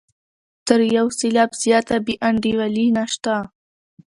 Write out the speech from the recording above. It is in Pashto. تر یو سېلاب زیاته بې انډولي نشته.